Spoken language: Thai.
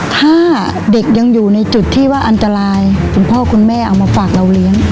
ถ้าเด็กยังอยู่ในจุดที่ว่าอันตรายคุณพ่อคุณแม่เอามาฝากเราเลี้ยง